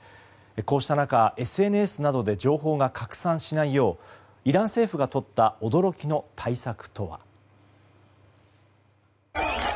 こうした中、ＳＮＳなどで情報が拡散しないようイラン政府がとった驚きの対策とは。